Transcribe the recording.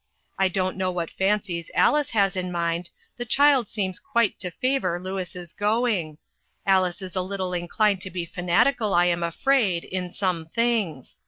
I don't know what fancies Alice has in mind, the child seems quite to favor Louis' going. Alice is a little inclined to be fanatical, I am afraid, in some things.